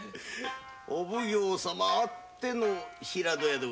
お奉行様あっての平戸屋で。